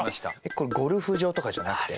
これゴルフ場とかじゃなくて？